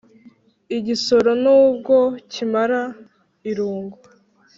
igisoro n'ubwo kimara irungu